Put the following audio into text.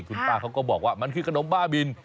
คุณป้าเขาก็บอกว่ามันคือขนมบ้าบิน